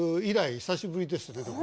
以来久しぶりですね。